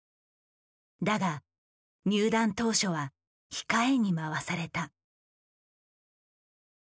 だが入団当初は控えに回された。